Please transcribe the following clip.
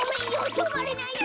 とまれないんだよ。